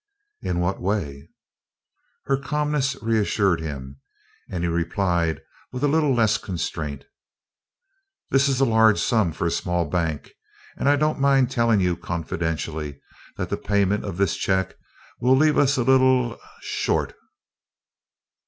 "In what way?" Her calmness reassured him and he replied with a little less constraint: "This is a large sum for a small bank, and I don't mind telling you confidentially that the payment of this check will leave us a little er short."